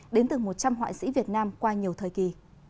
đến từ một trăm linh hoại sĩ việt nam qua nhiều thời kỳ